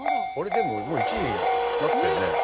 でももう１時になったよね？